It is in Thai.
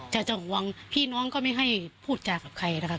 แต่จะห่วงพี่น้องก็ไม่ให้พูดจากใครนะคะ